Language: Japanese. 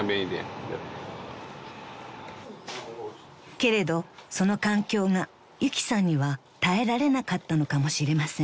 ［けれどその環境がゆきさんには耐えられなかったのかもしれません］